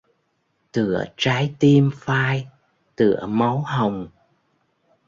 Tựa trái tim phai tựa máu hồng.